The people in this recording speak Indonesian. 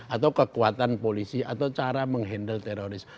atau kekuatan polisi atau cara menghandle teroris